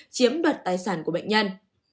chiếm đoạt tài sản của bệnh nhân